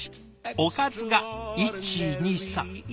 おかずが１２３８種類！